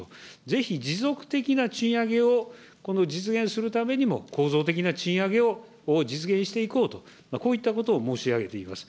ぜひ持続的な賃上げを、この実現するためにも、構造的な賃上げを実現していこうと、こういったことを申し上げています。